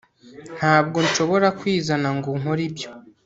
ntabwo nshobora kwizana ngo nkore ibyo